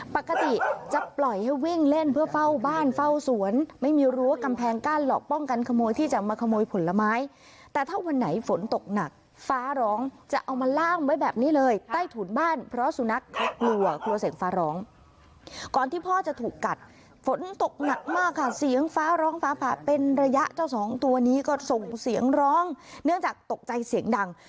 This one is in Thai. ปกติจะปล่อยให้วิ่งเล่นเพื่อเฝ้าบ้านเฝ้าสวนไม่มีรั้วกำแพงกั้นหลอกป้องกันขโมยที่จะมาขโมยผลไม้แต่ถ้าวันไหนฝนตกหนักฟ้าร้องจะเอามาล่ามไว้แบบนี้เลยใต้ถุนบ้านเพราะสุนัขเขากลัวกลัวเสียงฟ้าร้องก่อนที่พ่อจะถูกกัดฝนตกหนักมากค่ะเสียงฟ้าร้องฟ้าผ่าเป็นระยะเจ้าสองตัวนี้ก็ส่งเสียงร้องเนื่องจากตกใจเสียงดัง